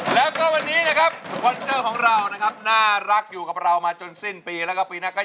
แล้วก็วันนี้นะครับวันเจอร์ของเรานะครับน่ารักอยู่กับเรามาจนสิ้นปีแล้วก็ปีหน้าก็